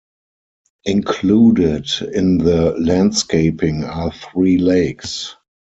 Included in the landscaping are three lakes.